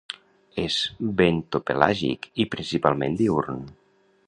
És bentopelàgic i principalment diürn.